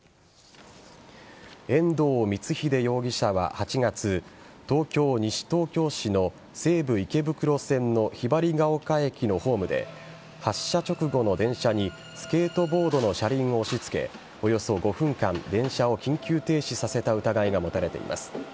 遠藤光英容疑者は、８月東京・西東京市の西武池袋線のひばりヶ丘駅のホームで発車直後の電車にスケートボードの車輪を押し付けおよそ５分間電車を緊急停止させた疑いが持たれています。